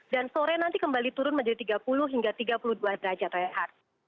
dan sore nanti kembali turun menjadi tiga puluh hingga tiga puluh dua derajat